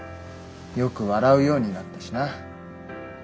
よく笑うようになったしな。